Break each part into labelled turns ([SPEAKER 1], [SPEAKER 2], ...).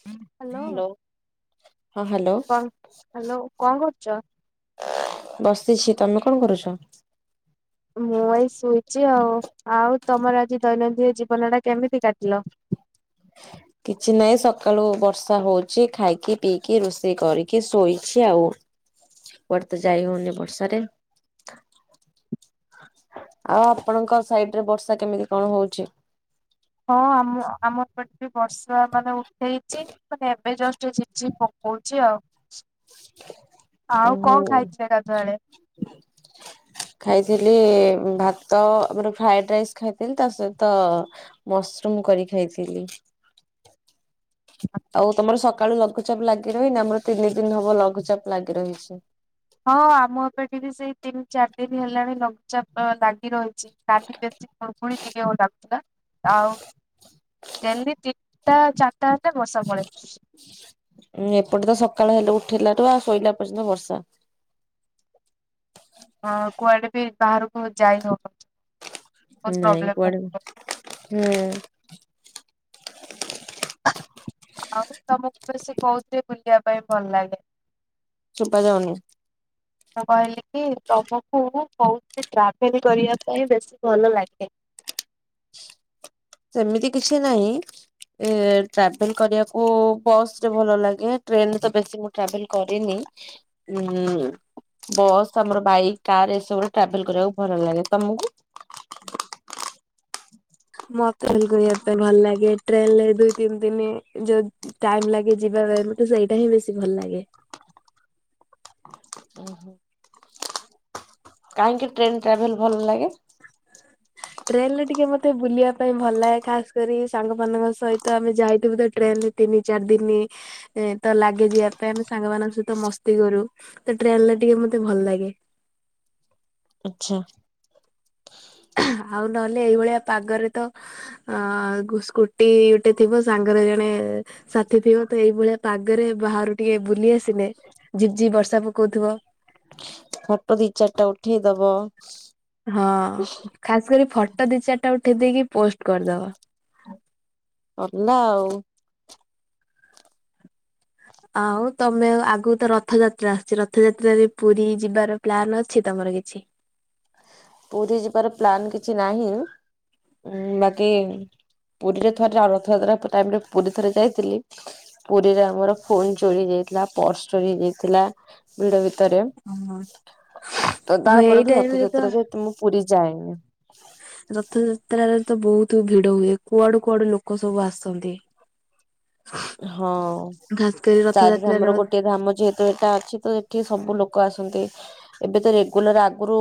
[SPEAKER 1] ହୁଁ।
[SPEAKER 2] କନ୍‌ ହ୍ୟାଲୋ କଣ କରୁଚ?
[SPEAKER 1] ବସିଛି ତମେ କଣ କରୁଚ?
[SPEAKER 2] ମୁଁ ଏଇ ଶୋଇଚି ଆଉ ଆଉ ତମର ଆଜି ଦୈନନ୍ଦିନ ଜୀବନ ଟା କେମିତି କାଟିଲ?
[SPEAKER 1] କିଛି ନହିଁ ସକାଳୁ ବର୍ଷା ହଉଚି ଖାଇକି ପିଇକି ରୋଷେଇ କରିକି ଶୋଇଛି ଆଉ। କୁଆଡେ ତ ଯାଇ ହଉନି ବର୍ଷାରେ। ଆଉ ଆପଣଙ୍କ ସାଇଡ ରେ ବର୍ଷା କେମିତି କଣ ହଉଚି?
[SPEAKER 2] ହଁ ଆମ ଆମ ଏପଟ ବି ବର୍ଷା ମାନେ ଉଠେଇଚି। ମାନେ ଏବେ ଜଷ୍ଟ ଝିପ୍ ଝିପ୍ ପକଉଚି ଆଉ।
[SPEAKER 1] ଉଁ
[SPEAKER 2] ଆଉ
[SPEAKER 1] ହୁଁ
[SPEAKER 2] କଣ ଖାଇଥିଲେ ଗାଧୁଆ ଏଳେ?
[SPEAKER 1] ଖାଇଥିଲି ଭାତ ଆମର ଫ୍ରଏଡ ରାଇସ୍ ଖାଇଥିଲି ତା ସହିତ ମସରୁମ କରି ଖାଇଥିଲି। ଆଉ ତମର ସକାଳୁ ଲଘ। ଲଘୁଚାପ ଲାଗି ରହନି ଆମର ତିନି ଦିନ ହବ ଲଘୁଚାପ ଲାଗି ରହିଛି
[SPEAKER 2] ହଁ ଆମ ଏପେଠି ବି ସେଇ ତିନି ଚାରି ଦିନ ହେଲାଣି ଲଘୁଚାପ ଲାଗି ରହିଛି। କାଲି ବେଶୀ କୁଗୁଣି ଟିକେ ହଉ ଲାଗୁଥିଲା ଆଉ ଡେଲି ତିନିଟା ଚାରିଟା ବର୍ଷା ପଳେଇଛ।
[SPEAKER 1] ଏପଟେ ତ ସକାଳ ହେଲେ ଉଠେଇଲାାଠୁ ଆଉ ଶୋଇଲା ପର୍ଯ୍ୟନ୍ତ ବର୍ଷା।
[SPEAKER 2] ହଁ କୁଆଡେ ବି ବାହାରକୁ ଯାଇ ହବନି।
[SPEAKER 1] ନାଇଁ କୁଆଡେ ହୁଁ
[SPEAKER 2] ଆଉ ତମକୁ ବେଶୀ କହୁଥିଲେ ବୁଲିବା ପାଇଁ ଭଲ ଲାଗେ।
[SPEAKER 1] ଶୁବା ଯାଉନି
[SPEAKER 2] [unintelligible] ମୁଁ କହିଲି କି ତମକୁ କହୁତ ଟ୍ରାଭେଲ୍ କରିବା ପାଇଁ ବେଶୀ ଭଲ ଲାଗେ।
[SPEAKER 1] ସେମିତି କିଛି ନାହିଁ ଏ ଟ୍ରାଭେଲ କରିବାକୁ ବସ୍ ରେ ଭଲ ଲାଗେ ଟ୍ରେନରେ ତ ବେଶୀ ମୁଁ ଟ୍ରାଭେଲ୍ କରିନି। ହୁଁ ବସ୍ ଆମର ବାଇକ୍ କାର ଏସବୁ ଟ୍ରାଭେଲ କରିବାକୁ ଭଲ ଲାଗେ ତମକୁ।
[SPEAKER 2] ମୋତେ କରିବା ପାଇଁ ଭଲ ଲାଗେ ଟ୍ରେନ ଦୁଇ ତିନି ଦିନ ଯୋଉ। ଟାଇମ୍ ଲାଗେ ଯିବା ପାଇଁ ମତେ ସେଇଟା ହିଁ ବେଶୀ ଭଲ ଲାଗେ
[SPEAKER 1] ଓହୋ କାହିଁକି ଟ୍ରେନ ଟ୍ରାଭେଲ୍ ଭଲ ଲାଗେ
[SPEAKER 2] [unintelligible] ଟ୍ରେନ ରେ ଟିକେ ମତେ ବୁଲିବା ପାଇଁ ଭଲ ଲାଗେ ଖାସ କରି ସାଙ୍ଗମାନାନଙ୍କ ସହିତ ଆମେ ଯାଇଥିବୁ ତ ଟ୍ରେନ ରେ ତିନି ଚାର ଦିନି। ଏ ତ ଲାଗେ ଯିବା ପାଇଁ ଆମେ ସାଙ୍ଗମାନାନଙ୍କ ସହିତ ମସ୍ତି କରୁ ତ ଟ୍ରେନରେ ଟିକେ ମତେ ଭଲ ଲାଗେ।
[SPEAKER 1] ଆଛା
[SPEAKER 2] ଆଉ ନହେଲେ ଏଇଭଳିଆ ପାଗରେ ତ। ଆ ସ୍କୁଟି ଗୋଟେ ଥିବ ସାଙ୍ଗରେ ଜଣେ। ସାଥିୀ ଥିବ ତ ଏଇଭଳିଆ ପାଗରେ ବାହାରୁ ଟିକେ ବୁଲି ଆସିନେ ଝିଝି ବର୍ଷା ପକଉଥିବ।
[SPEAKER 1] ଫଟୋ ଦି ଚାରିଟା ଉଠେଇ ଦବ।
[SPEAKER 2] ହଁ ଖାସ କରି ଫଟୋ ଦି ଚାରିଟା ଉଠେଇ ଦେଇକି ପୋଷ୍ଟ କରିଦବ।
[SPEAKER 1] ହେଲା ଆଉ।
[SPEAKER 2] ଆଉ ତମେ ଆଗରୁ ତ ରଥଯାତ୍ରା ଆସୁଛି ରଥଯାତ୍ରାରେ ପୁରୀ ଯିବାର ପ୍ଲାନ୍ ଅଛି ତମର କିଛି।
[SPEAKER 1] ପୁରୀ ଯିବାର ପ୍ଲାନ୍ କିଛି ନାହିଁ। ହୁଁ ବାକି ପୁରୀରେ ଥରେ ର ରଥଯାତ୍ରା ଟାଇମ୍ ରେ ପୁରୀ ଥରେ ଯାଇଥିଲି। ପୁରୀରେ ଆମର ଫୋନ୍ ଚୋରି ହେଇଯାଇଥିଲା ପର୍ସ ଚୋରି ହେଇଯାଇଥିଲା। ଭିଡ ଭିତରେ
[SPEAKER 2] ହଁ।
[SPEAKER 1] ତ ତା
[SPEAKER 2] ହଁ ଏଇ
[SPEAKER 1] ପରଠୁ
[SPEAKER 2] ଟାଇମ୍ ରେ
[SPEAKER 1] ରଥଯାତ୍ରା ତ ମୁଁ ପୁରୀ ଯାଏନି।
[SPEAKER 2] ରଥଯାତ୍ରାରେ ତ ବହୁତ ଭିଡ ହୁଏ କୁଆଡୁ କୁଆଡୁ ଲୋକ ସବୁ ଆସନ୍ତି।
[SPEAKER 1] ହଁ
[SPEAKER 2] ଖାସ୍ କରି
[SPEAKER 1] ଚାରି
[SPEAKER 2] ରଥଯାତ୍ରାର
[SPEAKER 1] ଧାମର ଗୋଟିଏ ଧାମ ଯେହେତୁ। ଏଇଟା ଅଛି ତ ଏଠି ସବୁ ଲୋକ ଆସନ୍ତି। ଏବେ ତ ରେଗୁଲାର ଆଗରୁ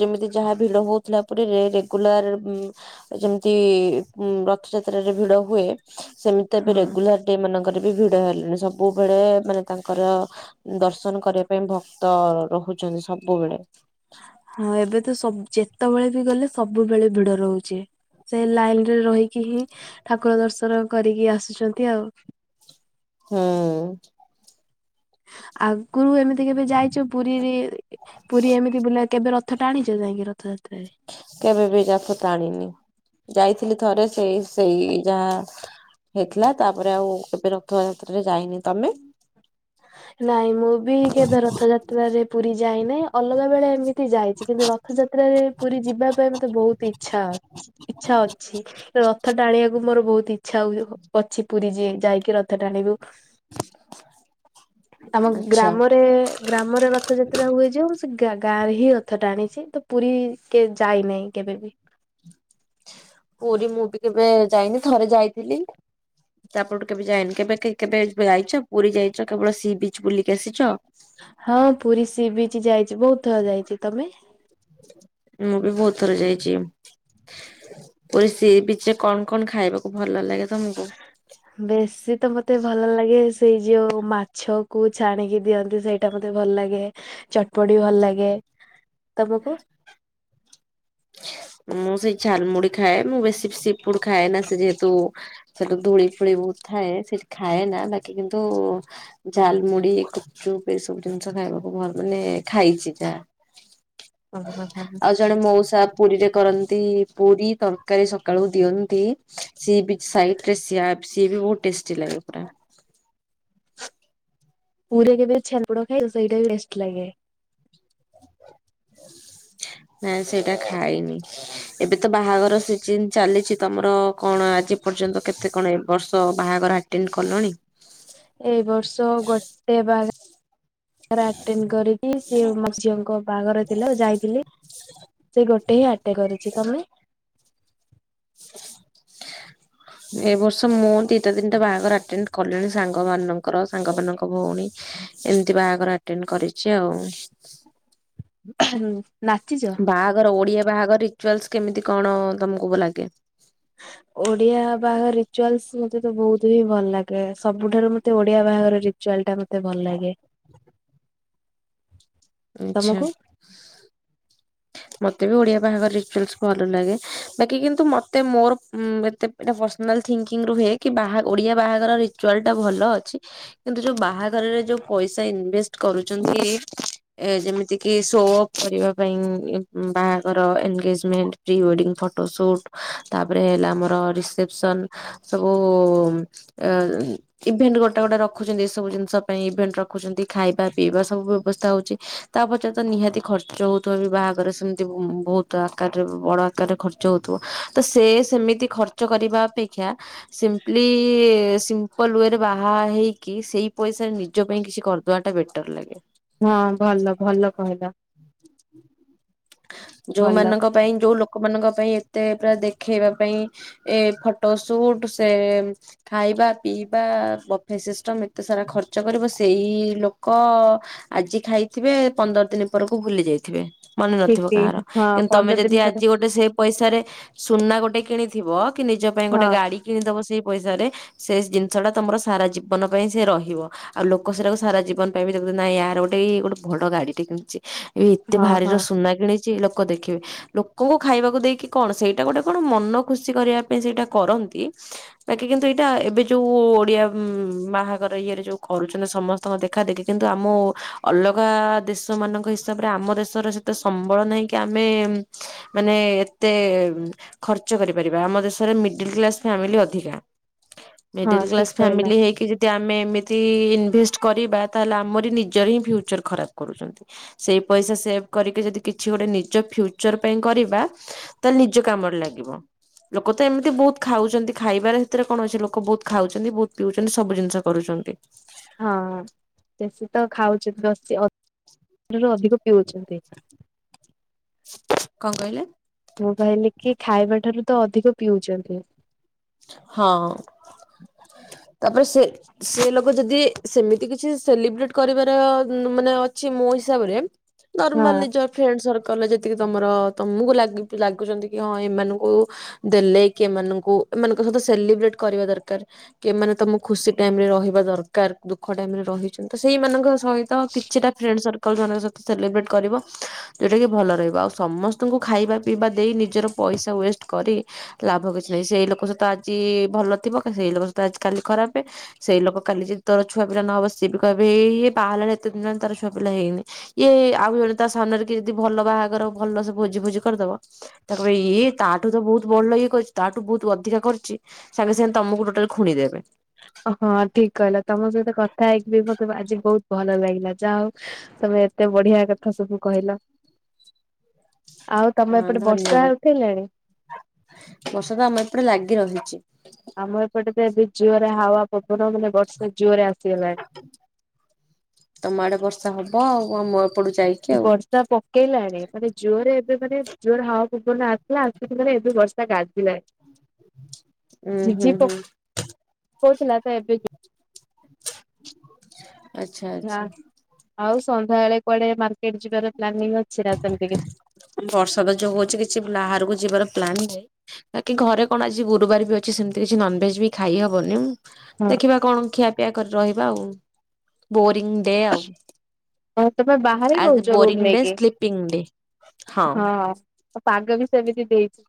[SPEAKER 1] ଯେମିତି ଯାହା ଭିଡ ହଉଥିଲା ପରୀରେ ରେଗୁଲାର ଉଁ। ଯେମିତି ରଥଯାତ୍ରାରେ ଭିଡ ହୁଏ ସେମିତି ଏବେ
[SPEAKER 2] ହଁ।
[SPEAKER 1] ରେଗୁଲାର। ଏଇମାନଙ୍କର ବି ଭିଡ ହେଲେଣି ସବୁବେଳେ ମାନେ ତାଙ୍କର। ଦର୍ଶନ କରିବା ପାଇଁ ଭକ୍ତ ରହୁଛନ୍ତି ସବୁବେଳେ।
[SPEAKER 2] ହଁ ଏବେ ତ ସବ୍ ଯେତେବେଳେ ବି ଗଲେ ସବୁବେଳେ ଭିଡ ରହୁଛି। ସେ ଲାଇନ୍ ରେ ରହିକି ହିଁ ଠାକୁର ଦର୍ଶନ କରିକି ଆସୁଛନ୍ତି ଆଉ।
[SPEAKER 1] ହୁଁ।
[SPEAKER 2] ଆଗରୁ ଏମିତି କେବେ ଯାଇଛ ପୁରୀ ରେ ପୁରୀ ଏମିତି ବୁଲା କେବେ ରଥ। ରଥ ଟାଣିଚ ଯାଇକି ରଥଯାତ୍ରାରେ?
[SPEAKER 1] କେବେ ବି ରଥ ଟାଣିନି ଯାଇଥିଲି ଥରେ ସେଇ ସେଇ ଯାହା ହେଇଥିଲା ତାପରେ ଆଉ କେବେ ରଥଯାତ୍ରାରେ ଯାଇନି, ତମେ?
[SPEAKER 2] ନାଇଁ ମୁଁ ବି କେବେ ରଥଯାତ୍ରାରେ ପୁରୀ ଯାଇ ନି ଅଲଗା ବେଳେ ଏମିତି ଯାଇଚି କିନ୍ତୁ ରଥଯାତ୍ରାରେ ପୁରୀ ଯିବା ପାଇଁ ମତେ ବୋହୁତ ଇଚ୍ଛା ଅ ଇଚ୍ଛା ଅଛି ତ ର ଥ ଟାଣିବାକୁ ମୋର ବୋହୁତ ଇଚ୍ଛା ହୁଏ ହୋ ଅଛି ପୁରୀ ଯି ଯାଇକି ରଥ ଟାଣିବୁ। ଆମ
[SPEAKER 1] ଆଚ୍ଛା।
[SPEAKER 2] ଗ୍ରାମରେ ଗ୍ରାମରେ ରଥଯାତ୍ରା ହୁଏ ଯେ ମୁଁ ସେ ଗା ଗାଁରେ ହିଁ ରଥ ଟାଣିଚି ତ ପୁରୀ କେ ଯାଇନେଇ କେବେବି।
[SPEAKER 1] ପୁରୀ ମୁଁ ବି କେବେ ଯାଇନି ଥରେ ଯାଇଥିଲି। ତାପରଠୁ କେବେ ଯାଇନି କେବେ କି କେବେ ଯାଇଚ ପୁରୀ ଯାଇଚ କେବଳ ସି ବିଚ ବୁଲିକି ଆସିଚ?
[SPEAKER 2] ହଁ ପୁରୀ ସି ବିଚ୍ ଯାଇଚି ବୋହୁତ ଥର ଯାଇଚି ତମେ?
[SPEAKER 1] ମୁଁ ବି ବୋହୁତ ଥର ଯାଇଚି। ପୁରୀ ସି ବିଚରେ କଣ କଣ ଖାଇବାକୁ ଭଲ ଲାଗେ ତମକୁ?
[SPEAKER 2] [inaudible] ବେଶୀ ତ ମତେ ଭଲ ଲାଗେ ସେଇ ଯୋଉ ମାଛକୁ ଛାଣିକି ଦିଅନ୍ତି ସେଇଟା ମତେ ଭଲ ଲାଗେ। ଚଟପଟି ଭଲ ଲାଗେ ତମକୁ?
[SPEAKER 1] ମୁଁ ସେଇ ଝାଲ ମୁୁଢି ଖାଏ ମୁଁ ବେଶୀ ବି ସି ଫୁଡ ଖାଏନା ସେ ଯେହେତୁ ସେଠି ଧୂଳି ଫୁଳି ବୋହୁତ ଥାଏ ସେଇଥି ଖାଏ ନା ବାକି କିନ୍ତୁ ଝାଲମୁଡି ଗୁପଚୁପ ଏଇ ସବୁ ଜିନିଷ ଖାଇବାକୁ ଭଲ ମାନେ ଖାଇଚି ଯାହା। ଆଉ ଜଣେ ମୋଉସା ପୁରୀରେ କରନ୍ତି ପୁରୀ ତରକାରୀ ସକାଳୁ ଦିଅନ୍ତି ସି ବିଚ୍ ସାଇଟରେ ସିଆ ସିଏ ବି ବୋହୁତ ଟେଷ୍ଟି ଲାଗେ ପୁରା।
[SPEAKER 2] ପୁରୀରେ କେବେ ଛେନାପୋଡ ଖାଇଚ ସେଇଟା ବି ବେଷ୍ଟ ଲାଗେ।
[SPEAKER 1] ନାଁଇ ସେଇଟା ଖାଇନି। ଏବେ ତ ବାହାଘର ସଜିନ୍ ଚାଲିଚି ତମର କଣ ଆଜି ପର୍ଯ୍ୟନ୍ତ କେତେ କଣ ଏ ବର୍ଷ ବାହାଘର ଆ ଟେଣ୍ଡ କଲଣି?
[SPEAKER 2] ଏଇ ବର୍ଷ ଗୋଟେ ବାହା ଘର ଆଟେଣ୍ଡ କରିକି ସିଏ ଆମ ଝିଅଙ୍କ ବାହାଘର ଥିଲା ଯାଇଥିଲି। ସେ ଗୋଟେ ହିଁ ଆଟେ କରୁଛି ତମେ?
[SPEAKER 1] ଏ ବର୍ଷ ମୁଁ ଦିଇଟା ତିନଟା ବାହାଘର ଆଟେଣ୍ଡ କଲିଣି ସା ଙ୍ଗ ମାନଙ୍କର ସାଙ୍ଗ ମାନଙ୍କ ଭୋଉଣୀ ଏମିତି ବାହାଘର ଆଟେଣ୍ଡ କରିଚି ଆଉ।
[SPEAKER 2] ହୁଁ ନାଚିଚୁ?
[SPEAKER 1] ବାହାଘର ଓଡି଼ଆ ବାହାଘର ରିଚୁଆଲସ୍ କେମିତି କଣ ତମୁକୁ ଲାଗେ?
[SPEAKER 2] ଓଡିଆ ବାହାଘର ରିଚୁଆଲସ୍ ମତେ ତ ବୋହୁତ ହିଁ ଭଲ ଲାଗେ ସବୁଠାରୁ ମତେ ଓଡିଆ ବାହାଘର ରି ଚୁଆଲଟା ମତେ ଭଲ ଲାଗେ।
[SPEAKER 1] ଆଚ୍ଛା।
[SPEAKER 2] ତମକୁ?
[SPEAKER 1] ମତେ ବି ଓଡିଆ ବାହାଘର ରିଚୁଲସ୍ ଭଲ ଲାଗେ ବାକି କିନ୍ତୁ ମତେ ମୋର ଉଁ ଏତେ ଏଟା ପର୍ସନାଲ ଥିଙ୍କିଙ୍ଗରୁ ହୁଏ କି ବାହା ଓଡ଼ିଆ ବାହାଘର ରିଚୁଆଲଟା ଭଲ ଅଛି କିନ୍ତୁ ଯୋଉ ବାହାଘରରେ ଯୋଉ ପଇସା ଇନଭେଷ୍ଟ୍ କରୁଚନ୍ତି ଏ ଯେମିତି କିି ସୋ ଅପ୍ କରିବା ପାଇଁ ଇଁ ଉଁ ବାହାଘର engagement pre wedding photo shoot ତାପରେ ହେଲା ଆମର ରିସେପସନ୍ ସବୁ ଆ ଇଭେଣ୍ଟ ଗୋଟା ଗୋଟା ରଖୁଚନ୍ତି ଏ ସବୁ ଜିନିଷ ପାଇଁ ଇଭେଣ୍ଟ ରଖୁଚନ୍ତି ଖାଇବା ପିଇବା ସବୁ ବ୍ୟବସ୍ଥା ହୋଉଚି ତା ପଛରେ ତ ନିହାତି ଖର୍ଚ୍ଚ ହୋଉଥିବ ବି ବାହାଘରରେ ସେମତି ବୋ ବୋହୁତ ଆକାରରେ ବଡ ଆକାରରେ ଖର୍ ର୍ଚ୍ଚ ହୋଉଥିବ ତ ସେ ସେମିତି ଖର୍ଚ୍ଚ କରିବା ଅପେକ୍ଷା ସିମ୍ପଲି ସିମ୍ପଲ୍ ୱେରେ ବାହା ହେଇକି ସେଇ ପଇସାରେ ନିଜ ପାଇଁ କିଛି କର୍ ଦୁଆଟା ବେଟର୍ ଲାଗେ।
[SPEAKER 2] ହଁ ଭଲ-ଭଲ କହିଲ। ଭଲ
[SPEAKER 1] ଯୋଉମାନଙ୍କ ପାଇଁ ଯୋଉ ଲୋକମାନଙ୍କ ପାଇଁ ଏତେ ପୁରା ଦେଖେଇବା ପାଇଁ ଏ ଫଟୋ ସୁଟ୍ ସେ ଖାଇବା ପିଇବା ବଫେ ସିଷ୍ଟମ୍ ଏତେ ସାରା ଖର୍ଚ୍ଚ କରିବ, ସେଇ ଲୋକ ଆଜି ଖାଇଥିବେ ପନ୍ଦର ଦିନି ପରକୁ ଭୁଲି ଯାଇଥିବେ, ମନେ ନଥିବ କାହାର,
[SPEAKER 2] ଠିକ ହଁ
[SPEAKER 1] କିନ୍ତୁ ତମେ
[SPEAKER 2] ପନ୍ଦର
[SPEAKER 1] ଯଦି
[SPEAKER 2] ଦିନ ପରେ
[SPEAKER 1] ଆଜି ଗୋଟେ ସେ ପଇସାରେ ସୁନା ଗୋଟେ କିଣିଥିବ, କି ନିଜ ପାଇଁ ଗୋଟେ
[SPEAKER 2] ହଁ
[SPEAKER 1] ଗାଡି କିଣିଦବ ସେଇ ପଇସାରେ ସେ ଜିନିଷ ଟା ତମର ସାରା ଜୀବନ ପାଇଁ ସେ ରହିବ। ଆଉ ଲୋକ ସେଟାକୁ ସାରା ଜୀବନ ପାଇଁ ବି ଦେଖୁଥିବେ, ନାଇଁ ଆର ଗୋଟେ-ଗୋଟେ ବଡ ଗାଡିଟେ କିଣିଚି। ଏ ଏତେ
[SPEAKER 2] ହଁ ହଁ
[SPEAKER 1] ଭାରିର ସୁନା କିଣିଚି ଲୋକ ଦେଖିବେ। ଲୋକଙ୍କୁ ଖାଇବାକୁ ଦେଇକି କଣ ସେଇଟା ଗୋଟେ କଣ ମନ ଖୁସି କରିବା ପାଇଁ ସେଇଟା କରନ୍ତି। ତାକେ କିନ୍ତୁ ଏଇଟା ଏବେ ଯୋଉ ଓଡିଆ ଉ ବାହାଘର ଇଏରେ ଯୋଉ କରୁଚନ୍ତି ସମସ୍ ତଙ୍କ ଦେଖା ଦେଖି କିନ୍ତୁ ଆମ ଅଲଗା ଦେଶ ମାନଙ୍କ ହିସାବରେ ଆମ ଦେଶର ସେତେ ସମ୍ବଳ ନାହିଁ କି ଆମେ ମାନେ ଏତେ ଖର୍ଚ୍ଚ କରିପାରିବା, ଆମ ଦେଶରେ ମିଡଲ୍ କ୍ଲାସ ଫ୍ୟାମିଲି ଅଧିକା।
[SPEAKER 2] ହଁ
[SPEAKER 1] ମିଡିଲ୍ କ୍ଲାସ୍
[SPEAKER 2] ଠିକ କହିଲ
[SPEAKER 1] ଫାମିଲି ହେଇକି ଯେ ଦି ଆମେ ଏମିତି ଇନଭେଷ୍ଟ କରିବା ତାହେଲେ ଆମରି ନିଜର ହିଁ ଫ୍ୟୁଚର୍ ଖରାପ୍ କରୁଚନ୍ତି। ସେଇ ପଇସା ସେଭ୍ କରିକି ଯଦି କିଛି ଗୋଟେ ନିଜ ଫ୍ୟୁଚର୍ ପାଇଁ କରିବା, ତାହେଲେ ନିଜ କାମରେ ଲାଗିବ। ଲୋକ ତ ଏମିତି ବହୁତ ଖାଉଚିନ୍ତି ଖାଇବାର ଭିତରେ କଣ ଅଛି ଲୋକ ବହୁତ ଖାଉଚନ୍ତି ବହୁତ୍ ପିଉଚନ୍ତି ସବୁ ଜିନିଷ କରୁଚନ୍ତି।
[SPEAKER 2] ହଁ ବେଶୀ ତ ଖାଉଚେ [unintelligible] ରୁ ଅଧିକ ପିଉଛନ୍ତି
[SPEAKER 1] କଣ କହିଲେ?
[SPEAKER 2] ମୁଁ କହିଲି କି ଖାଇବା ଠାରୁ ତ ଅଧିକ ପିଉଚନ୍ତି।
[SPEAKER 1] ହଁ, ତାପରେ ସେ ସେ ଲୋକ ଯଦି ସେମିତି କିଛି ସେଲିବ୍ରେଟ୍ କରିବାର ମାନେ ଅଛି ମୋ ହିସାବରେ
[SPEAKER 2] ହଁ
[SPEAKER 1] ନର୍ମାଲି ନିଜର ଫ୍ରେଣ୍ଡ ସର୍କଲ୍ ରେ ଯେତିକି ତମର ତମୁକୁ ଲାଗୁଚନ୍ତି କି ହଁ ଏମାନଙ୍କୁ ଦେଲେ କି ଏମାନଙ୍କୁ ଏମାନଙ୍କ ସହିତ ସେଲିବ୍ରେଟ୍ କରିବା ଦରକାର୍। କି ଏମାନେ ତମ ଖୁସି ଟାଇମ୍ ରେ ରହିବା ଦରକାର୍, ଦୁଃଖ ଟାଇମ୍ ରେ ରହିଚନ୍ତି ତ ସେଇ ମାନଙ୍କ ସହିତ କିଛିଟା ଫ୍ରେଣ୍ଡ ସର୍କଲ୍ ସେମାନଙ୍କ ସହିତ ସେଲିବ୍ରେଟ୍ କରିବ ଯଉଟା କି ଭଲ ରହିବ, ଆଉ ସମସ୍ତଙ୍କୁ ଖାଇବା ପିଇବା ଦେଇ ନିଜର ପଇସା ୱେଷ୍ଟ କରି ଲାଭ କିଛି ନାହିଁ, ସେଇ ଲୋକ ସହିତ ଆଜି ଭଲ ଥିବ ସେଇ ଲୋକ ସହିତ ଆଜି କାଲି ଖରାପେ। ସେଇ ଲୋକ କାଲି ଯଦି ତୋର ଛୁଆ ପିଲା ନହବ, ସିଏ ବି କହିବେ ଏଇ ବାହା ହେଲାଣି ଏତେ ଦିନ ହେଲାଣି ତାର ଛୁଆ ପିଲା ହେଇନି। ଇଏ ଆଉ ଜଣେ ତା ସାମ୍ନାରେ କିଏ ଯଦି ଭଲ ବାହାଘର ଭଲସେ ଭୋଜି ଫାଜି କରିଦବ ତାଙ୍କୁ କହିବେ ଇଏ ତାଠୁ ତ ବହୁତ୍ ଭଲ ଇଏ କରଚି, ତାଠୁ ବହୁତ୍ ଅ ଧିକ କରିଚି, ସାଙ୍ଗେ-ସାଙ୍ଗେ ତମୁକୁ ଟୋଟାଲି ଖୁଣିଦେବେ।
[SPEAKER 2] ହଁ ଠିକ୍ କହିଲ ତମ ସହିତ କଥା ହେଇକି ମତେ ଆଜି ବହୁତ୍ ଭଲ ଲାଗିଲା, ଯାହା ହଉ ତମେ ଏତେ ବଢିଆ କଥା ସବୁ କହିଲ। ଆଉ ତମ
[SPEAKER 1] ହଁ
[SPEAKER 2] ଏପଟେ ବର୍ଷା
[SPEAKER 1] ଧନ୍ୟବାଦ୍।
[SPEAKER 2] ଉଠେଇଲାଣି?
[SPEAKER 1] ବର୍ଷା ତ ଆମ ଏପଟେ ଲାଗି ରହିଚି।
[SPEAKER 2] ଆମ ଏପଟେ ତ ଏବେ ଜୋରରେ ହାୱା ପବନ ମାନେ ବର୍ଷା ଜୋରରେ ଆସିଗଲାଣି।
[SPEAKER 1] ତମ ଆଡେ ବର୍ଷା ହବ ଆଉ, ଆମ ଏପଟୁ ଯାଇକି।
[SPEAKER 2] ଏ
[SPEAKER 1] ଆଉ
[SPEAKER 2] ବର୍ଷା ପ କେଇଲାଣି ମାନେ ଜୋରରେ ଏବେ ମାନେ ଜୋର ହାୱା ପବନ ଆସିଲା, ଆସିକି ମାନେ ଏବେ ବର୍ଷା ଗାଜିଲାଣି।
[SPEAKER 1] ଉୁଁ ହୁଁ
[SPEAKER 2] ଝିପ୍-ଝିପ୍
[SPEAKER 1] ହୁଁ
[SPEAKER 2] ପକଉଥିଲା, ତ ଏବେ ଜୋ ହଁ
[SPEAKER 1] ଆଚ୍ଛା-ଆଚ୍ଛା।
[SPEAKER 2] ଆଉ ସନ୍ଧ୍ୟା ବଳେ କୁଆଡେ ମାର୍କେଟ ଯିବାର ପ୍ଲାନିଂ ଅଛି ନା ସେମିତି କିଛି।
[SPEAKER 1] ବର୍ଷାଟା ଯୋଉ ହଉଛି କିଛି ବାହାରକୁ ଯିବାର ପ୍ଲାନ୍ ହି ନାହିଁ। ବାକି ଘରେ କଣ ଆଜି ଗୁରୁବାର ବି ଅଛି ସେମିତି କିଛି ନନଭେଜ ବି ଖାଇହବନି।
[SPEAKER 2] ହଁ
[SPEAKER 1] ଦେଖିବା କଣ ଖିଆପିଆ କରି ରହିବା ଆଉ ବୋରିଂ ଡେ ଆଉ।
[SPEAKER 2] ଆଉ ତମେ ବାହାର
[SPEAKER 1] ଆଜି
[SPEAKER 2] ରହୁଛ
[SPEAKER 1] ବୋରିଂ
[SPEAKER 2] ରୁମ
[SPEAKER 1] ଡେ
[SPEAKER 2] ନେଇକି
[SPEAKER 1] ସ୍ଲିପିଂ ଡେ
[SPEAKER 2] ହଁ। ଆଉ ପାଗ ବି ସେମିତି ଦେଇଛି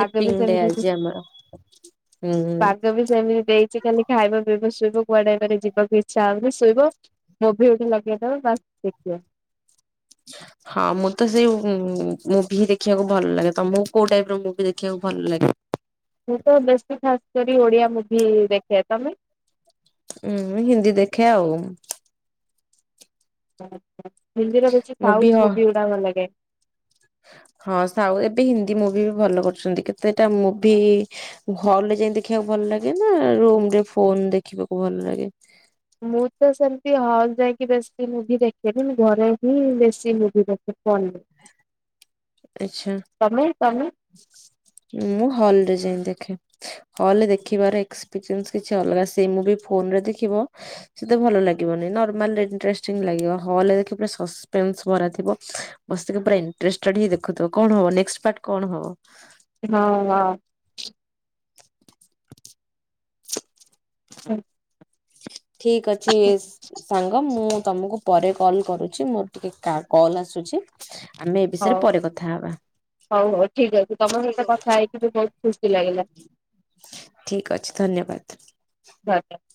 [SPEAKER 2] ପାଗ ବି
[SPEAKER 1] ଡେ ଆଜି
[SPEAKER 2] ସେମିତି।
[SPEAKER 1] ଆମର ହୁଁ।
[SPEAKER 2] ପାଗ ବି ସେମିତି ଦେଇଛି ଖାଲି ଖାଇବ ପିଇବ ଶୋଇବ କୁଆଡେ ଏଇଆ ଯିବାକୁ ଇଚ୍ଛା ହବନି ଶୋଇବ। ମୁଭି ଏଠି ଲଗେଇଦବ ବାସ୍ ଦେଖିବ।
[SPEAKER 1] ହଁ ମୁଁ ତ ସେଇ ମୁଭି ଦେଖିବାକୁ ଭଲ ଲାଗେ ତମକୁ କୋଉ ଟାଇପ ର ମୁଭି ଦେଖିବାକୁ ଭଲ ଲାଗେ।
[SPEAKER 2] ମୁଁ ତ ବେଶୀ ଖାସ କରି ଓଡିଆ ମୁଭି ଦେଖେ ତମେ।
[SPEAKER 1] ଉୁଁ ହିନ୍ଦୀ ଦେଖେ ଆଉ।
[SPEAKER 2] ହିନ୍ଦୀରେ ବେଶୀ ସାଉଥ ମୁଭି ଗୁଡାକ ଭଲ ଲାଗେ।
[SPEAKER 1] ହଁ ସାଉ ଏବେ ହିନ୍ଦୀ ମୁଭି ବି ଭଲ କରୁଛନ୍ତି କେତେଟା ମୁଭି ହଲ୍ ରେ ଯାଇଙ୍କି ଦେଖିବାକୁ ଭଲ ଲାଗେ ନା ରୁମ ରେ ଫୋନ ଦେଖିବାକୁ ଭଲ ଲାଗେ।
[SPEAKER 2] ମୁଁ ତ ସେମତି ହଲ୍ ଯାଇକି ବେଶୀ ମୁଭି ଦେଖେନି ମୁ ଘରେ ହି ବେଶୀ ମୁଭି ଦେଖେ। ଫୋନ୍ ରେ।
[SPEAKER 1] ଆଚ୍ଛା
[SPEAKER 2] ତମେ
[SPEAKER 1] ମୁଁ ହଲ ରେ ଯାଇଁ ଦେଖେ। ହଲ୍ ରେ ଦେଖିବାର ଏକ୍ସପିରିଏନ୍ସ କିଛି ଅଲଗା ସେଇ ମୁଭି ଫୋନରେ ଦେଖିବ। ସେତ ଭଲ ଲାଗିବନି ନର୍ମାଲରେ ଇଣ୍ଟରେଷ୍ଟିଂ ଲାଗିବ ହଲ୍ ରେ ଦେଖିବ ପୁରା ସସ୍ପେନ୍ସ ଭରା ଥିବ ବସିକି ପୁରା ଇଣ୍ଟରେଷ୍ଟଏଡ ହେଇ ଦେଖୁଥିବ କଣ ହେବ ନେକ୍ସଟ୍ ପାର୍ଟ କଣ ହେବ।
[SPEAKER 2] ହଁ ହଁ। ହୁଁ।
[SPEAKER 1] ଠିକ ଅଛି ସାଙ୍ଗ। ମୁଁ ତୁମକୁ ପରେ କଲ୍ କରୁଛି ମୋର ଟିକେ କଲ୍ ଆସୁଛି। ଆମେ ଏ ବିଷୟରେ
[SPEAKER 2] ହଉ
[SPEAKER 1] ପରେ କଥା ହବା।
[SPEAKER 2] ହଉ ହଉ ଠିକ୍ ଅଛି ତମ ସହିତ କଥା ହେଇକି ବି ବହୁତ ଖୁସି ଲାଗିଲା।
[SPEAKER 1] ଠିକ ଅଛି ଧନ୍ୟବାଦ।
[SPEAKER 2] [unintelligible]